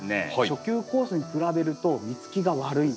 初級コースに比べると実つきが悪い。